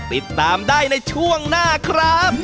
ติดตามได้ในช่วงหน้าครับ